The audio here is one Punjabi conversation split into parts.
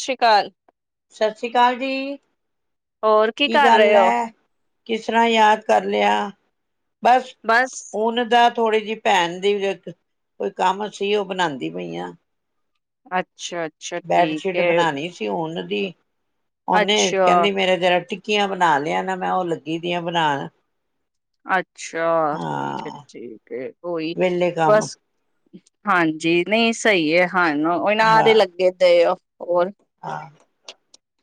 ਸਤਿ ਸ਼੍ਰੀ ਅਕਾਲ ਸਤਿ ਸ਼੍ਰੀ ਅਕਾਲ ਜੀ ਹੋਰ ਕੀ ਕਰ ਗੱਲ ਰਹੇ ਹੋ ਐ? ਕਿਸ ਤਰ੍ਹਾਂ ਯਾਦ ਕਰ ਲਿਆ ਬਸ ਉਹਨਾਂ ਦਾ ਥੋੜੀ ਜਿਹੀ ਭੈਣ ਦੀ ਕੋਈ ਕੰਮ ਸੀ ਉਹ ਬਣਾਉਂਦੀ ਪਈਆਂ ਅੱਛਾ ਬੈਡਸ਼ੀਟ ਬਣਾਉਣੀ ਸੀ ਹੁਣ [unintelligible] ਉਹਨੇ ਕਹਿੰਦੀ ਅੱਛਾ-ਅੱਛਾ ਮੇਰੇ ਜਰਾ ਚਠੀਆਂ ਬਣਾ ਲਿਆ ਨਾ ਮੈਂ ਉਹ ਲੱਗੀ ਦੀ ਆ ਬਣਾਉਣ ਅੱਛਾ ਠੀਕ ਹੈ ਹਾਂ, ਠੀਕ ਹੈ ਕੋਈ ਵਿਹਲੇ ਕੰਮ ਬਸ ਹਾਂਜੀ ਨਹੀਂ ਸਹੀ ਹੈ ਹਾਂ ਉਹਨਾਰੇ ਹਾਂ ਲੱਗੇ ਤੇ ਉਹ ਹੋਰ ਹਾਂ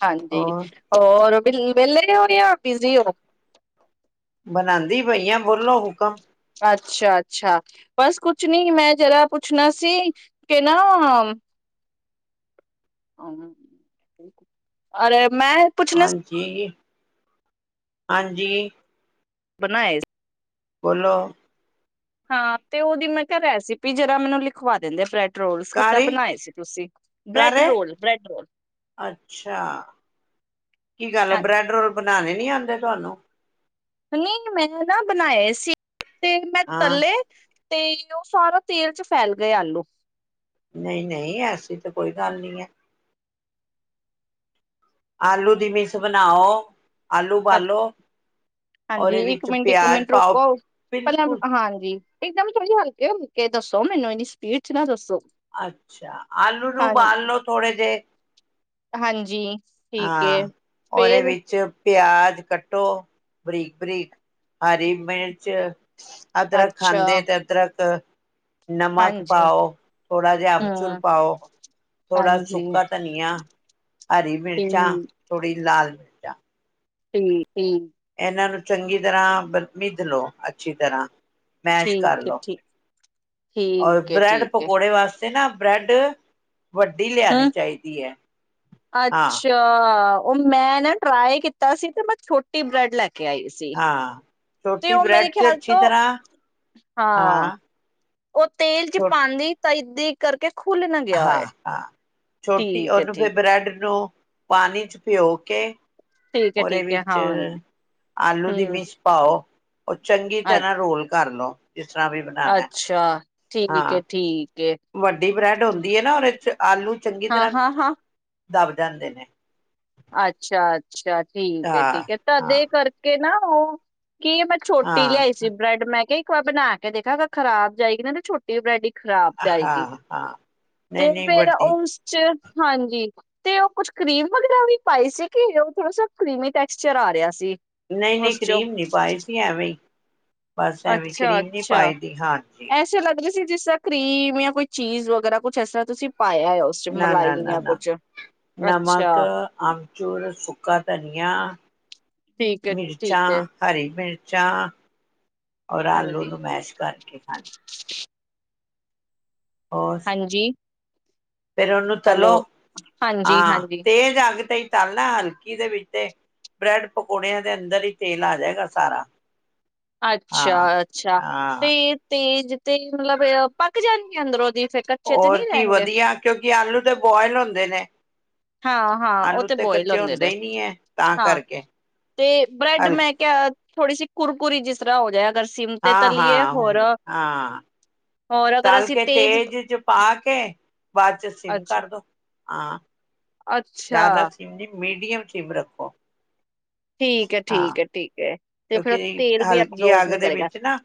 ਹਾਂਜੀ ਹੋਰ ਹੋਰ ਵਿਹਲੇ ਹੋਣ ਜਾਂ ਬਿਜੀੀ ਹੋ ਬਨਉਦੀ ਪਈ ਆ ਬੋਲੋ ਹੁਕਮ ਅੱਛਾ ਅੱਛਾ ਬਸ ਕੁਛ ਨੀ ਮੈਂ ਜਰਾ ਪੁੱਛਣਾ ਸੀ ਕਿ ਨਾ ਹਾਂਕੁਲ ਅ ਹਾਂਜੀ ਜ ਹਾਂਜੀ ਬਣਾਏ ਬੋਲੋ ਹਾਂ ਤੇ ਉਹਦੀ ਮੈਂ ਕਿਹਾ ਰੈਸਪੀ ਜਿਹੜਾ ਮੈਨੂੰ ਲਿਖਵਾ ਦਿੰਦੇ ਬ੍ਰੈਡ ਰੋਲਸ ਕਿੱਦਾਂ ਕਾਰੀ ਬਣਾਏ ਸੀ ਤੁਸੀਂ ਬ੍ਰੈਡ ਘ ਰੋਲ ਬ੍ਰੈਡ ਰੋਲ ਅੱਛਾ ਕੀ ਗੱਲ ਹੈ ਹਾਂ ਬ੍ਰੈਡ ਰੋਲ ਬ ਬਣਾਣੇ ਨੀ ਆਉਂਦੇ ਤੁਹਾਨੂੰ ਨਹੀਂ ਮੈਂ ਨਾ ਬਣਾਏ ਸੀ ਤੇ ਮੈਂ ਹਾਂ ਥੱਲੇ ਤੇ ਉਹ ਸਾਰਾ ਤੇਲ ਚ ਫੈਲ ਗਏ ਆਲੂ ਨਹੀਂ ਨਹੀਂ ਐਸੀ ਤਾਂ ਕੋਈ ਗੱਲ ਨਹੀਂ ਹੈ ਆਲੂ ਦੀ ਮਸ਼ ਬਣਾਓ ਆਲੂ ਹਾਂ ਉਬਾਲੋ ਹਾਂਜੀ ਉਹਦੇ ਇੱਕ ਵਿੱਚ ਮਿੰਟ ਇੱਕ ਪਿਆਜ ਮਿੰਟ ਪਾਓ ਬਿਲਕੁਲ ਇਕਦਮ ਥੋੜ੍ਹੀ ਹਲਕੇ ਹਲਕੇ ਦੱਸੋ ਮੈਨੂੰ ਇੰਨੀ ਸਪੀਡ ਚ ਨਾ ਦੱਸੋ ਅੱਛਾ ਆਲੂ ਨੂੰ ਹਾਂ ਉਬਾਲ ਲਓ ਥੋੜੇ ਜਿਹੇ ਹਾਂਜੀ ਠੀਕ ਹੈ ਹਾਂ ਉਹਦੇ ਫੇਰ ਵਿੱਚ ਪਿਆਜ ਕੱਟੋ ਬਰੀਕ ਬਰੀਕ ਹਰੀ ਮਿਰਚ ਅਦਰਕ ਅੱਛਾ ਖਾਂਦੇ ਤੇ ਅਦਰਕ ਨਮਕ ਹਾਂਜੀ ਪਾਓ ਥੋੜ੍ਹਾ ਜਿਹਾ ਅੰਬਚੂਰ ਹਮ ਪਾਓ ਥੋੜ੍ਹਾ ਹਾਂਜੀ ਸੁੱਕਾ ਧਨੀਆ ਹਰੀ ਮਿਰਚੀ ਚਾਹ ਠੀਕ ਥੋੜੀ ਲਾਲ [unintelligible] ਹਮ ਹਮ ਇਹਨਾਂ ਨੂੰ ਚੰਗੀ ਤਰ੍ਹਾਂ ਮਿਧ ਲੋ ਅੱਛੀ ਤਰ੍ਹਾਂ ਮੈਸ਼ ਕਰ ਠੀਕ ਹੈ ਲੋ ਠੀਕ ਰ ਠੀਕ ਏ ਬ੍ਰੈਡ ਠੀਕ ਏ ਪਕੌੜੇ ਵਾਸਤੇ ਤੇ ਨਾ ਬ੍ਰੈਡ ਵੱਡੀ ਲਿਆਣੀ ਹੂੰ ਚਾਹੀਦੀ ਹੈ ਹਾਂ ਅੱਛਾ ਉਹ ਮੈਂ ਨਾ ਟਰਾਈ ਕੀਤਾ ਸੀ ਤੇ ਮੈਂ ਛੋਟੀ ਬ੍ਰੈਡ ਲੈ ਕੇ ਕੇ ਆਈ ਸੀ ਹਾਂ ਤੇ ਛੋਟੀ ਉਹ ਮੇਰੇ ਬ੍ਰੈਡ ਚ ਖਿਆਲ ਅੱਛੀ ਤੋਂ ਤਰ੍ਹਾਂ ਹਾਂ ਉਹ ਤੇਲ ਚ ਛੋ ਪਾਉਂਦੀ ਤਾਂ ਇਦ ਕਰਕੇ ਖੁੱਲ ਨਾ ਗਿਆ ਹਾਂ ਹੋਏ ਹਾਂ ਛੋਟੀ ਠੀਕ ਏ ਉਹਨੂੰ ਫਿਰ ਠੀਕ ਏ ਬਰੈਡ ਨੂੰ ਪਾਣੀ ਚ ਭਿਉਂ ਕੇ ਠੀਕ ਏ ਉਹਦੇ ਠੀਕ ਏ ਵਿੱਚ ਹਾਂ ਆਲੂ ਦੀ ਹੂੰ ਮੀਸ਼ ਪਾਓ ਉਹ ਚੰਗੀ ਅ ਤਰ੍ਹਾਂ ਰੋਲ ਕਰ ਲਓ ਜਿਸ ਤਰ੍ਹਾਂ ਵੀ ਬਣਾਉਣਾ ਅੱਛਾ ਠੀਕ ਹਾਂ ਠੀਕ ਵੱਡੀ ਬ੍ਰੈਡ ਹੁੰਦੀ ਹੈ ਨਾ ਉਹ [unintelligible] ਆਲੂ ਚੰਗੀ ਹਾਂ ਤਰ੍ਹਾਂ ਹਾਂ ਹਾਂ ਦੱਬ ਜਾਂਦੇ ਨੇ। ਅੱਛਾ ਅੱਛਾ। ਠੀਕ ਏ ਹਾਂ ਠੀਕ ਹੈ ਹਾਂ ਤੁਹਾਡੇ ਕਰਕੇ ਨਾ ਆਹ ਕੀ ਮੈਂ ਛੋਟੀ ਹਾਂ ਲਿਆਈ ਸੀ ਬ੍ਰੈਡ ਮੈਂ ਕਿਹਾ ਬਣਾ ਕੇ ਦੇਖਾਂ ਅਗਰ ਖਰਾਬ ਜਾਏਗੀ ਨਾ ਤੇ ਛੋਟੀ ਬ੍ਰੈਡੀ ਖ਼ਰਾਬ ਜਾਏਗੀ ਹਾਂ ਹਾਂ ਨਹੀਂ ਤੇ ਨਹੀਂ ਫਿਰ ਵੱਡੀ ਉਸ ਚ ਹਾਂਜੀ ਤੇ ਉਹ ਕੁਛ ਕਰੀਮ ਵਗੈਰਾ ਵੀ ਪਾਈ ਸੀ ਕਿ ਉਹ ਥੋੜਾ ਸ ਕਰੀਮੀ ਟੈਕਸਚਰ ਆ ਰਿਹਾ ਸੀ। ਨਹੀਂ-ਨਹੀਂ ਉਸ ਚੋਂ ਕਰੀਮ ਨੀ ਪਾਈ ਸੀ ਐਵੇਂ ਹੀ। ਬਸ ਐਵੇਂ ਅੱਛਾ ਕਰੀਮ ਨੀ ਅੱਛਾ ਪਾਈ ਦੀ ਹਾਂਜੀ। ਐਸੇ ਲੱਗ ਰਹੀ ਜਿਸ ਤਰ੍ਹਾਂ ਕਰੀਮ ਜਾਂ ਕੋਈ ਚੀਜ਼ ਵਗੈਰਾ ਕੁੱਛ ਇਸ ਤਰ੍ਹਾਂ ਤੁਸੀਂ ਪਾਇਆ ਹੈ ਉਸ ਚ ਨਾ ਨਾ ਮਲਾਈ ਨਾ ਜਾਂ ਨਾ ਕੁਛ ਅੱਛਾ ਨਮਕ ਆਮਚੂਰ ਸੁਕਾ ਧਨੀਆਂ ਠੀਕ ਹੈ ਠੀਕ ਮਿਰਚਾਂ ਹੈ ਹਰੀ ਮਿਰਚ ਚਾ ਔਰ ਆਲੂ ਹਾਂਜੀ ਨੂੰ ਮੈਸ਼ ਕਰਕੇ ਖਾਈ ਹਾਂਜੀ। ਪਹਿਲਾ ਉਹਨੂੰ ਤਲੋ। ਹੈਲੋ ਹਾਂਜੀ ਹਾਂ, ਹਾਂਜੀ ਤੇਜ ਅੱਗ ਤੇ ਹੀ ਤਲਨਾ, ਹਲਕੀ ਦੇ ਵਿੱਚ ਤੇ ਬ੍ਰੈਡ ਪਕੌੜਿਆਂ ਦੇ ਅੰਦਰ ਹੀ ਤੇਲ ਆ ਜਾਏਗਾ ਸਾਰਾ ਹਾਂ ਅੱਛਾ-ਅੱਛਾ ਤੇ ਹਾਂ ਤੇਜ ਤੇ ਮਤਲਬ ਅ ਪੱਕ ਜਾਂਦੀ ਅੰਦਰੋ ਦੀ ਫੇਰ ਕੱਚੇ ਤੇ ਹੋਰ ਨਹੀਂ ਕੀ ਰਹਿਣਗੇ ਵਧੀਆ ਕਿਉਂਕਿ ਆਲੂ ਦੇ ਬੋਇਲ ਹੁੰਦੇ ਨੇ। ਹਾਂ-ਹਾਂ ਉਹ ਆਲੂ ਤੇ ਬੋਇਲ ਕੱਚੇ ਹੁੰਦੇ ਨੇ ਹੀ ਨਹੀਂ ਹੈ ਤਾਂ ਹਾਂ ਕਰਕੇ ਤੇ ਬ੍ਰੈਡ ਹਲਕੇ ਮੈਂ ਕਿਹਾ ਥੋੜ੍ਹੀ ਸੀ ਕੁਰਕੁਰੀ ਜਿਸ ਤਰ੍ਹਾਂ ਹੋ ਜਾਏ ਅਗਰ ਸਿਮ ਤੇ ਹਾਂ ਤਲੀਏ ਹੋਰ ਹਾਂ ਹਾਂ ਹੋਰ ਅਗਰ ਤਲ ਅਸੀਂ ਕੇ ਤੇਜ਼ ਚ ਪਾ ਕੇ ਬਾਅਦ ਚ ਸਿਮ ਅੱਛ ਕਰਦੋ ਹਾਂ। ਅੱਛਾ ਜ਼ਿਆਦਾ ਸ਼ਿਮਨੀ ਮੀਟ [unintelligible] ਸਿਮ ਰੱਖੋ। ਠੀਕ ਹੈ ਹਾਂ ਠੀਕ ਹੈ ਠੀਕ ਹੈ ਤੇ ਫਿਰ ਕਿਉਂਕਿ, ਤੇਲ ਵੀ ਹਲਕੀ ਐਬਜ਼ੋਰਬ ਅੱਗ ਨਹੀਂ ਦੇ ਕਰੇਗਾ ਵਿੱਚ ਨਾ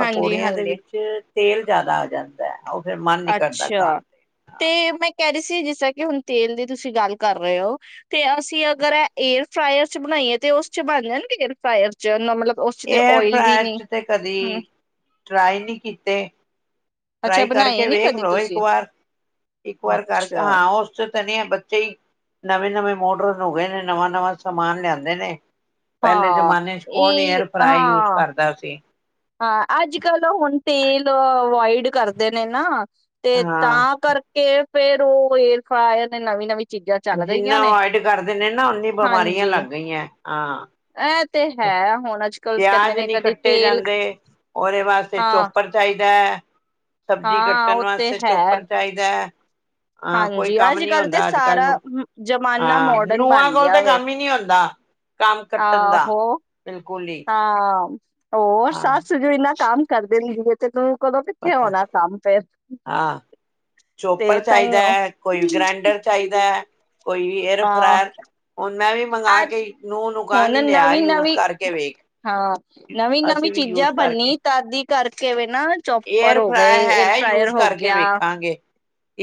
ਹਾਂਜੀ ਦੇ ਹਾਂਜੀ ਵਿੱਚ ਤੇਲ ਜ਼ਿਆਦਾ ਆ ਜਾਂਦਾ ਹੈ ਉਹ ਫਿਰ ਮਨ ਨੀ ਕਰਦਾ ਖਾਣ ਅੱਛਾ, ਤੇ। ਹਾਂ ਤੇ ਮੈਂ ਕਹਿ ਰਹੀ ਸੀ ਜਿਸ ਤਰ ਕਿ ਹੁਣ ਤੇਲ ਦੀ ਤੁਸੀਂ ਗੱਲ [unintelligible] ਕਰ ਰਹੇ ਹੋ ਤੇ ਅਸੀਂ ਅਗਰ ਇਹ ਏਅਰ ਫਰਾਇਅਰ ਚ ਬਣਾਈਏ ਤੇ ਉਸ ਚ ਬਣ ਜਾਣ ਗੇ ਏਅਰ ਫਰਾਇਅਰ ਚ ਮਤਲਬ ਉਸ ਚ ਤੇ ਏਅਰ ਓਇਲ ਵੀ ਨੀ ਫਰਾਅਰ ਤੇ ਹਮ ਕਦੀ ਟਰਾਈ ਨਹੀਂ ਕੀਤੇ ਅੱਛਾ ਟਰਾਈ ਬਣਾਏ ਕਰਕੇ ਨੀ ਵੇਖ ਕਦੀ ਲੋ ਇੱਕ ਤੁਸੀਂ ਵਾਰ ਇੱਕ ਵਾਰ ਕਰਕੇ ਅੱਛਾ ਹਾਂ ਉਸ ਚ ਤਾਂ ਨਹੀਂ ਬੱਚੇ ਹੀ ਨਵੇਂ ਨਵੇਂ ਮੋਰਡਨ ਨੂੰ ਹੋ ਗਏ ਨੇ ਨਵਾਂ ਨਵਾਂ ਸਮਾਨ ਲਿਆਂਦੇ ਨੇ ਪਹਿਲੇ ਹਾਂ ਜ਼ਮਾਨੇ ' ਕੌਣ ਇਹ ਏਅਰ ਫਰਾਈ ਹਾਂ ਯੂਜ ਕਰਦਾ ਸੀ ਹਾਂ ਅੱਜ ਕੱਲ ਹੁਣ ਤੇਲ ਅਵੋਇਡ ਕਰਦੇ ਨੇ ਨਾ ਤੇ ਹਾਂ ਤਾਂ ਕਰਕੇ ਫਿਰ ਉਹ ਏਰ ਫਾ ਨੇ ਨਵੀਂ ਨਵੀਂ ਚੀਜ਼ਾਂ ਚੱਲ ਰਹੀਆਂ ਜਿੰਨਾ ਨੇ ਅਵਾਇਡ ਕਰਦੇ ਨੇ ਨਾ ਉਨੀਆ ਬਿਮਾਰੀਆਂ ਹਾਂਜੀ ਲੱਗ ਗਈਆਂ ਹਾਂ ਇਹ ਤੇ ਹੈ ਹੋਣਾ ਚੈ ਕੁਝ ਨਹੀ ਪਿਆਜ ਨਹੀਂ ਕੱਟੇ ਜਾਂਦੇ ਉਹਦੇ ਵਾਸਤੇ ਹਾਂ ਚੋਪੜ ਚਾਹੀਦਾ ਹੈ ਸਬਜ਼ੀ ਹਾਂ ਕੱਟਣ ਉਹ ਤੇ ਵਾਸਤੇ ਹੈ ਚੋਪੜ ਚਾਹੀਦਾ ਹੈ ਹਾਂ ਕੋਈ ਹਾਂਜੀ ਕੰਮ ਅੱਜ ਨੀ ਕੱਲ ਤੇ ਹੁੰਦਾ ਅੱਜ ਕੱਲ ਸਾਰਾ ਮ- ਜ਼ਮਾਨਾ ਮੋਡਰਨ ਨੂੰਹਾਂ ਬਣ ਕੋਲ ਗਿਆ ਤਾਂ ਵੇ ਕੰਮ ਹੀ ਨਹੀਂ ਹੁੰਦਾ ਕੰਮ ਕੱਟਣ ਦਾ ਆਹੋ ਬਿਲਕੁਲ ਹੀ ਹਾਂ ਹੋਰ ਹਾਂ ਸੱਸ ਸਾਰੇ ਦਿਨ ਕੰਮ ਕਰਦੇ ਨੇ ਚਲੋ ਹਾਂ ਤੇ ਚੋਪਰ ਤਾਂਹੀ ਚਾਹੀਦਾ ਉਹ ਹੈ ਕੋਈ ਗ੍ਰੈਂਡਰ ਚਾਹੀਦਾ ਹੈ ਕੋਈ ਫਿਰ ਹਾਂ ਹੁਣ ਮੈਂ ਵੀ ਮੰਗ ਅੱਜ ਕੇ ਨੂੰਹ ਨੂੰ ਹੁਣ ਕਾਂਗੀ ਲਿਆ ਨਵੀਂ ਯੂਜ ਨਵੀਂ ਕਰਕੇ ਵੇਖ ਹਾਂ ਨਵੀਂ ਨਵੀਂ ਅਸੀਂ ਵੀ ਚੀਜ਼ਾਂ ਯੂਜ ਕਰਕੇ ਬੰਨੀ ਤਦੀ ਕਰਕੇ ਵੇਖ ਏਅਰ ਫ੍ਰਈ ਹੈ ਯੂਜ ਹੋ ਕਰਕੇ ਗਿਆ ਵੇਖਾਂਗੇ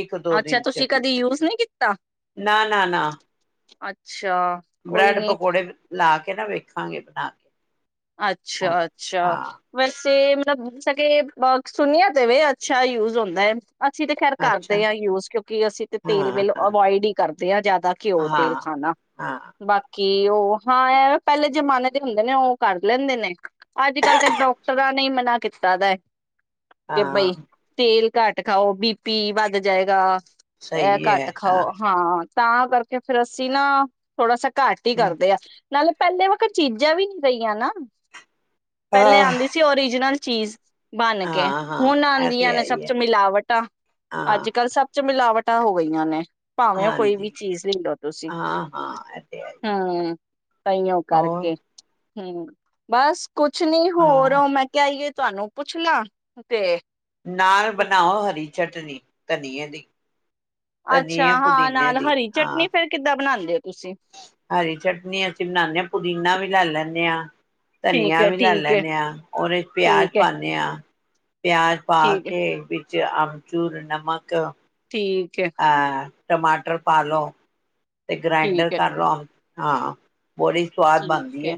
ਇੱਕ ਦੋ ਅੱਛਾ ਦਿਨ ਚ ਤੁਸੀਂ ਕਦੀ ਯੂਜ ਨਹੀਂ ਕੀਤਾ ਨਾ ਨਾ ਨਾ ਅੱਛਾ ਕੋਈ ਬ੍ਰੈਡ ਨੀ ਪਕੌੜੇ ਲਾ ਕੇ ਨਾ ਵੇਖਾਂਗੇ ਬਣਾ ਕੇ ਹੁਣ ਅੱਛਾ ਅੱਛਾ ਹਾਂ ਵੈਸੇ ਮਤਲਬ ਸੁਨੀਆਂ ਵੀ ਅੱਛਾ ਯੂਜ ਹੁੰਦਾ ਹੈ ਅਸੀਂ ਤੇ ਖੈਰ ਅੱਛਾ ਕਰਦੇ ਹਾਂ ਯੂਜ ਕਿਉਂਕਿ ਅਸੀਂ ਤੇ ਤੇਲ ਹਾਂ ਵੀ ਹਾਂ ਅਵੋਇਡ ਹੀ ਕਰਦੇ ਤੇ ਲ ਜਿਆਦਾ ਦਾਘਿਓ ਤੇਲ ਹਾਂ ਖਾਣਾ ਹਾਂ ਬਾਕੀ ਕਿ ਉਹ ਹਾਂ ਪਹਿਲੇ ਜਮਾਨੇ ਦੇ ਹੁੰਦੇ ਨੇ ਉਹ ਕਰ ਲੈਂਦੇ ਨੇ ਅੱਜ ਕੱਲ ਤਾਂ ਡਾਕਟਰਾਂ ਨੇ ਮਨਾ ਕੀਤਾ ਦਾ ਕਿ ਬਈ ਹਾਂ ਤੇਲ ਘੱਟ ਖਾਓ, ਬੀ ਪੀ ਵੱਧ ਜਾਏਗਾ। ਇਹ ਸਹੀ ਹੈ ਘੱਟ ਖਾਓ ਹਾਂ। ਤਾਂ ਕਰਕੇ ਫੇਰ ਅਸੀਂ ਨਾ, ਥੋੜਾ ਸ ਘੱਟ ਹੀ ਕਰਦੇ ਆ। ਨਾਲੇ ਪਹਿਲੇ ਵਕ ਚੀਜ਼ਾਂ ਵੀ ਗਈ ਆ ਨਾ। ਪਹਿਲੇ ਹਾਂ ਆਂਦੀ ਸੀ ਓਰੀਜਨਲ ਚੀਜ਼ ਬਨ ਕੇ ਹਾਂ ਹਾਂ ਹੁਨ ਇਹ ਆਂਦੀਆਂ ਤੇ ਹੈ ਨੇ ਸਭ ਹੀ ਹੈ ਚ ਮਿਲਾਵਟਾਂ, ਹਾਂ ਅੱਜ-ਕੱਲ ਸਭ ਚ ਮਿਲਾਵਟਾਂ ਹੋ ਗਈਆਂ ਨੇ। ਭਾਵੇਂ ਉਹ ਕੋਈ ਵੀ ਹਾਂਜੀ ਚੀਜ਼ ਲੀ ਲਓ ਤੁਸੀਂ, ਹਾਂ ਹਾਂ ਇਹ ਤੇ ਹੈ ਹਾਂ। ਤਹੀਓ ਹੋਰ ਕਰਕੇ ਹੂੰ, ਬਸ। ਕੁਛ ਨੀ ਹੋਰ ਹਾਂ ਮੈਂ ਕਿਹਾ ਅਈਏ ਤੁਹਾਨੂੰ ਪੁੱਛ ਲਾਂ ਤੇ ਨਾਲ ਤੁਸੀਂ ਬਨਾਓ ਹਰੀ ਚੱਟਨੀ ਧਨੀਏ ਦੀ। ਅੱਛਾ ਧਨੀਏ ਹਾਂ ਪੁਦੀਨੇ ਨਾਲ ਦੀ ਹਰੀ ਚਟਨੀ ਹਾਂ ਫੇਰ ਕਿੱਦਾਂ ਬਨਾ ਹਰੀ ਚਟਨੀ ਅਸੀਂ ਬਨਾਨੇ ਪੁਦੀਨਾ ਵੀ ਲੈ ਲੈਂਨੇ ਆਂ ਠੀਕ ਧਨੀਆ ਹੈ ਵੀ ਲਾ ਠੀਕ ਹੈ ਲੈਂਨੇ ਆਂ, ਉਹਦੇ ਚ ਪਿਆਜ਼ ਠੀਕ ਹੈ ਪਾਨੇ ਆਂ। ਪਿਆਜ਼ ਪਾ ਠੀਕ ਹੈ ਕੇ ਵਿੱਚ ਚ ਅਮਚੂੂਰ ਨਮਕ ਠੀਕ ਐ। ਅਹ ਟਮਾਟਰ ਪਾ ਲਓ। ਤੇ ਗਰਾਇੰਡਰ ਠੀਕ ਹੈ ਕਰ ਲਓ। ਹਾਂ। ਬੜੀ ਸਵਾਦ ਬਣਦੀ ਐ,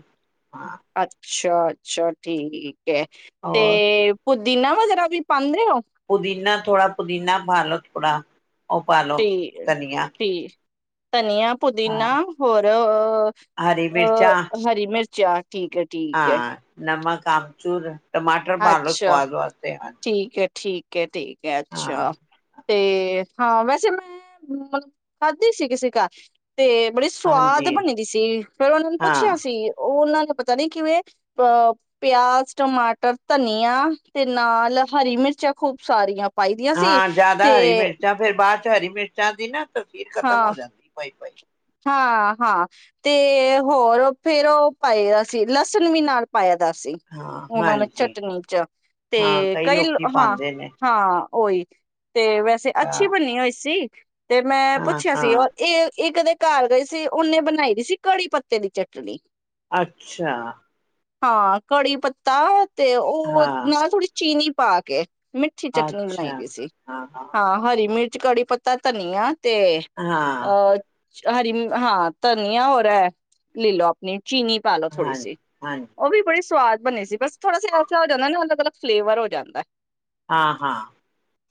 ਹਾਂ। ਛਾ, ਅੱਛਾ, ਠੀਕ। [unintelligible] ਹੋਰ ਤੇ ਪੁ ਦਿਨਾ ਵਗੈਰਾ ਵੀ ਪਾਨ ਪੁਦੀਨਾ ਥੋੜਾ ਪੁਦੀਨਾ ਭਾਲਤ ੜਾ ਉਹ ਪਾਲੋ ਤੇ ਧਨੀਆ ਠੀਕ ਧਨੀਆ ਪੁਦੀਨਾ ਹਾਂ ਹੋਰ ਅ ਹਰੀ ਮਿਰਚਾਂ ਅ ਹਰੀ ਮਿਰਚ ਚਾਰ ਹਾਂ ਨਮਕ ਅਮਚੂਰ ਟਮਾਟਰ ਭਾਲੋ ਅੱਛਾ ਸਵਾਦ ਵਾਸਤੇ ਹਾਂ ਠੀਕ ਠੀਕ ਠੀਕ ਅੱਛਾ ਹਾਂ ਤੇ ਹਾਂ ਵੈਸੇ ਮੈਂ ਮਤਲਬ ਖਾਧੀ ਸੀ ਕਿਸੇ ਘਰ ਤੇ ਬੜੀ ਸਵਾਦ ਹਾਂਜੀ ਬਣੀ ਦੀ ਸੀ ਫੇਿਰ ਉਹਨਾਂ ਨੂੰ ਪੁੱਛਿਆ ਹਾਂ ਸੀ ਉਹ ਉਹਨਾਂ ਨੂੰ ਪਤਾ ਨੀ ਕਿਵੇਂ ਅ ਪਿਆਜ ਟਮਾਟਰ ਧਨੀਆ ਤੇ ਨਾਲ ਹਰੀ ਮਿਰਚਾਂ ਖੂਬ ਸਾਰੀਆਂ ਪਾਈ ਦੀਆਂ ਸੀ ਹਾਂ ਜ਼ਿਆਦਾ ਤੇ ਹਰੀ ਮਿਰਚਾਂ ਫੇਰ ਬਾਅਦ ਚ ਹਰੀ ਮਿਰਚਾਂ ਦੀ ਨਾ ਤਸੀਰ ਖ਼ਤਮ ਹਾਂ ਹੋ ਜਾਂਦੀ ਪਾਈ ਪਾਈ ਹਾਂ ਹਾਂ ਤੇ ਹੋਰ ਫੇਰ ਉਹ ਪਏ ਸੀ ਲਸਣ ਵੀ ਨਾਲ ਪਾਇਆ ਦਾ ਸੀ ਹਾਂ ਉਹ ਮ ਹਾਂਜੀ ਚਟਣੀ ਚ ਹਾਂ ਤੇ ਕਈ ਲੋਕੀ ਹਾਂ ਪਾਉਂਦੇ ਨੇ ਹਾਂ ਓਹੀ ਤੇ ਵੈਸੇ ਹਾਂ ਅੱਛੀ ਬਨੀ ਹੋਈ ਸੀ ਤੇ ਮੈਂ ਹਾਂ ਪੁੱਛਿਆ ਸੀ ਰ ਹਾਂ ਇਹ ਇਹ ਕਦੇ ਘਰ ਗਈ ਸੀ ਉਹਨੇ ਬਣਾਈ ਦੀ ਸੀ ਕੜੀ ਪੱਤੇ ਦੀ ਚਟਨੀ ਅੱਛਾ ਹਾਂ ਕੜੀ ਪੱਤਾ ਤੇ ਉਹ ਹਾਂ ਨਾਲ ਥੋੜੀ ਚੀਨੀ ਪਾ ਕੇ ਮਿੱਠੀ ਚਟਨੀ ਬਣਾਈ ਗਈ ਸੀ ਹਾਂ ਹਰੀ ਮਿਰ ਕੜੀ ਪੱਤਾ ਧਨੀਆ ਤੇ ਹਾਂ ਅ ਹਰੀ ਹਾਂ ਧਨੀਆ ਹੋਰ ਹੈ ਲੈ ਲੋ ਆਪਣੀ ਚੀਨੀ ਪਾ ਲਓ ਥੋੜੀ ਹਾਂਜੀ ਸੀ ਹਾਂਜੀ ਉਹ ਵੀ ਬੜੀ ਸਵਾਦ ਬਣੇ ਸੀ ਬਸ ਥੋੜ੍ਹਾ ਸਾ ਅੱਛਾ ਹੋ ਜਾਂਦਾ ਨਾ ਅਲਗ ਅਲੱਗ ਫਲੇਵਰ ਹੋ ਜਾਂਦਾ ਹੈ ਹਾਂ ਹਾਂ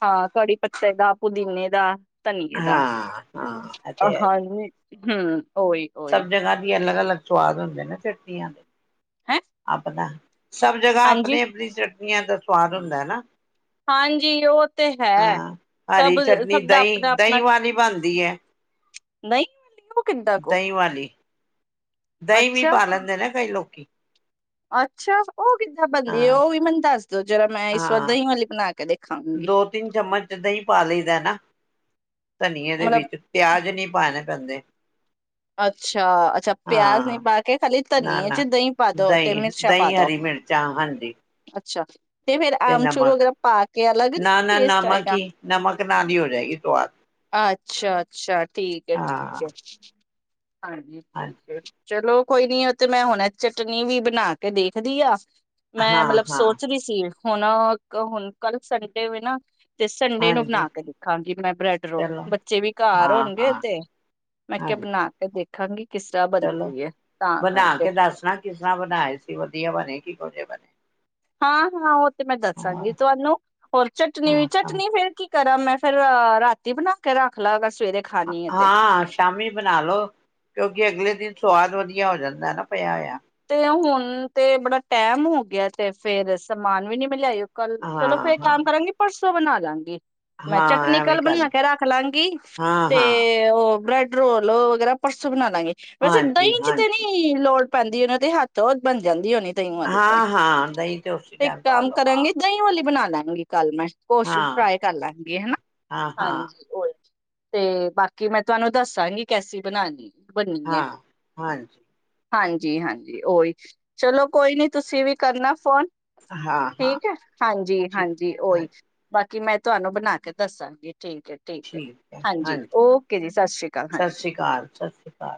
ਹਾਂ, ਕੜੀ ਪੱਤੇ ਦਾ ਪੁਦੀਨੇ ਦਾ। ਤਨੀਏ ਦਾ‌। ਹਾਂ ਹਾਂ ਇਹ ਅ ਤੇ ਹੈ ਹ ਹੀ ਹੂੰ ‌ ਸਭ ਜਗਾ ਦੀ ਅਲੱਗ-ਅਲਗ ਸਵਾਦ ਹੁੰਦੇ ਨਾ ਚਟਨੀਆਂ ਦੇ। ਹੈ ਆਪਦਾ ਸਭ ਜਗ੍ਹਾ ਹਾਂਜੀ ਅਪਣੀ ਅਪਣੀ ਚਟਨੀਆਂ ਦ ਸਵਾਦ ਹੁੰਦੈ ਨਾ। ਹਾਂਜੀ ਔ ਤੇ ਹੈ ਹਾਂ ਸਭ ਹਰੀ ਚਟਨੀ ਸਭ ਦਾ ਦਹੀਂ ਅਪਣਾ ਅਪਣਾ ਦਹੀਂ ਵਾਲੀ ਬਣਦੀ ਹੈ ਨਹੀਂ ਐ। ਦਹੀਂ ਵਾਲੀ। ਦਹੀਂ ਵੀ ਅੱਛਾ ਪਾ ਲੈਂਦੇ ਨਾ ਕਈ ਲੋਕੀ। ਅੱਛਾ। ਉਹ ਕਿੱਦਾਂ ਬਣਦੀ ਹ ਹਾਂ ਔ ਵੀ ਮਨੂੰ ਦੱਸ ਦੋ ਜ਼ਰਾ ਮੈਂ ਇਸ ਵਾਰ ਹਾਂ ਦਹੀਂ ਵਾਲੀ ਬਣਾ ਕੇ ਦੇਖ ਦੋ ਤਿੰਨ ਚਮਚ ਦਹੀਂ ਪਾ ਲਈ ਦੈ ਨਾ। ਧਨੀਏ ਦੇ ਮਤਲਬ ਵਿੱਚ ਪਿਆਜ ਨੀ ਪਾਣੇ ਪੈਂਦੇ। ਅੱਛਾ ਅੱਛਾ ਪਿਆਜ ਨੀ ਹਾਂ ਪਾ ਕੇ ਖਾਲੀ ਨਾ ਧਨੀਏ ਨਾ ਚ ਦਹੀਂ ਪਾ ਦੋ ਤੇ ਦਹੀਂ ਮਿਰਚਾਂ ਪਾ ਦਹੀਂ ਦੋ। ਹਰੀ ਮਿਰਚਾਂ ਹਾਂਜੀ ਅੱਛਾ ਤੇ ਫੇਰ ਆਮਚੂਰ ਵਗੈਰਾ ਪਾ ਕੇ ਅਲੱਗ ਨੀ ਨਾ ਨਾ ਟੇਸਟ ਨਮਕ ਆਏਗਾ? ਹੀ ਨਮਕ ਨਾਲ ਹੀ ਹੋ ਜਾਏਗੀ ਸਵਾਦ ਅੱਛਾ ਅੱਛਾ, ਠੀਕ ਏ ਹਾਂ ਠੀਕ ਏ। ਹਾਂਜੀ, ਹਾਂ ਠੀਕ ਏ। ਚਲੋ ਕੋਈ ਨੀ ਔ ਤੇ ਮੈਂ ਹੁਣੇ ਚਟਨੀ ਵੀ ਬਣਾ ਕੇ ਦੇਖਦੀ ਆ। ਮੈਂ ਹਾਂ ਮਲਬਲ ਹਾਂ ਸੋਚਦੀ ਸੀ ਹੋਣ ਹੁਣ ਕ ਕੱਲ ਸੰਡੇ ਵੇ ਨਾ ਤੇ ਸੰਡੇ ਨੂੰ ਹਾਂਜੀ ਬਣਾ ਕੇ ਦੇਖਾਂਗੀ ਮੈਂ ਬ੍ਰੈਡ ਰੋਲ, ਚਲੋ ਬੱਚੇ ਵੀ ਘਾਰ ਹਾਂ ਹੋਣਗੇ ਹਾਂ ਤੇ ਮੈਂ ਕੇ ਹਾਂਜੀ ਬਣਾ ਕੇ ਦੇਖ ਖਾਵਾਂਗੀ ਚਲੋ, ਬਣਾ ਕੇ ਦਾਸਣਾ ਕਿਸ ਤਰ੍ਹਾਂ ਬਣਾਏ ਸੀ, ਵਧੀਆ ਬਣੇ। ਕਿਵੇਂ ਦੀ ਬਣੀ ਹਾਂ ਹਾਂ ਔ ਤ ਤੇ ਮੈਂ ਦੱਸਾਂਗੀ ਤੁਵਾਨੂੰ, ਔਰ ਚਟਨੀ ਵੀ ਚਟਨੀ ਫੇਰ ਕੀ ਕਰਾਂ ਮੈਂ ਫੇਰ ਰਾਤੀ ਬਣਾ ਕੇ ਰੱਖ ਲਾ ਸਵੇਰੇ ਖਾਣੀ ਹੈ ਤੇ। ਹਾਂ ਸ਼ਾਮੀ ਬਣਾ ਲਓ, ਕਿਉਂਕਿ ਅਗਲੇ ਦਿਨ ਸਵਾਦ ਵਧੀਆ ਹੋ ਜਾਂਦਾ ਨਾ ਪਿਆ ਹੋਇਆ। ਤੇ ਹੁਣ ਤੇ ਬੜਾ ਟੈਮ ਹੋ ਗਿਆ ਤੇ ਫੇਰ ਸਮਾਨ ਵੀ ਨੀ ਮੈਂ ਲਿਆਈ। ਕੱਲ ਚਲੋ ਹਾਂ ਫੇਰ ਹਾਂ ਕੰਮ ਕਰਾਂਗੀ ਪਰਸੋ। ਬਣਾ ਦਾਂਗੀ। ਮੈਂ ਹਾਂ ਚਟਨੀ ਐਵੇਂ ਕੱਲ ਕਰ ਲ ਬਣਾ ਕੇ ਰੱਖ ਲਾਂਗੀ, ਹਾਂ ਹਾਂ ਤੇ ਉਹ ਬ੍ਰੈਡ ਰੋਲੋ ਵਗੈਰਾ ਪਰਸੋਂ ਬਣਾ ਵੈਸੇ ਦਹੀਂ ਹਾਂਜੀ ਚ ਤੇ ਹਾਂਜੀ ਨਹੀਂ ਲੋੜ ਪੈਦੀ ਐ ਨਾ, ਦੇ ਹੱਥ ਉਹ ਬਣ ਜਾਂਦੀ ਹੋਣੀ। ਦਹੀਂ ਵਾਲੀ ਤੇ ਹਾਂ ਹਾਂ ਦਹੀਂ ਤੇ ਉਸੇ ਇੱਕ ਟਾਈਮ ਪਾ ਕੰਮ ਲਓ ਹਾਂ ਕਰਾਂਗੇ, ਦਹੀਂ ਵਾਲੀ ਬਣਾ ਲੈਜੁਗੀ ਕੱਲ ਮੈਂ, ਉਸ ਚ ਹਾਂ ਫਰਾਏ ਕਰਲਾਂਗੇ ਹਨਾ, ਹਾਂ ਹਾਂ ਹਾਂਜੀ ਉਹ ਤੇ ਬਾਕੀ ਮੈਂ ਤੁਹਾਨੂੰ ਦੱਸਾਂਗੀ, ਕੈਸੀ ਬਣਾਨੀ ਐ। ਹਾਂ ਹਾਂਜੀ, ਹਾਂਜੀ-ਹਾਂਜੀ, ਉਹੀ ਚਲੋ ਕੋਈ ਨੀ ਤੁਸੀਂ ਵੀ ਕਰਨਾ ਫੋਨ, ਹਾਂ ਹਾਂ ਠੀਕ ਹੈ, ਠੀਕ ਹਾਂਜੀ-ਹਾਂਜੀ ਉਹੀ ਹਾਂਜੀ ਬਾ ਕਿ ਮੈਂ ਤੁਹਾਨੂੰ ਬਣਾ ਕੇ ਦੱਸਾਂਗੀ। ਠੀਕ ਹੈ, ਠੀਕ ਹੈ ਹਾਂਜੀ, ਓਕੇ ਜੀ ਸਤਿ ਸ੍ਰੀ ਅਕਾਲ ਸਤਿ ਸ਼੍ਰੀ ਹਾਂਜੀ। ਅਕਾਲ ਸਤਿ ਸ਼੍ਰੀ ਅਕਾਲ